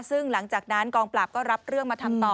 ซึ่งหลังจากนั้นกองปราบก็รับเรื่องมาทำต่อ